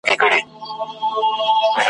نه اوږده د هجر شپه وي نه بې وسه ډېوه مړه وي ,